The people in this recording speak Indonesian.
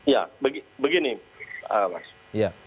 ya begini mas